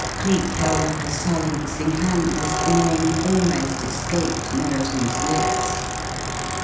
Cleek held up a silencing hand as the name almost escaped Merriton's lips.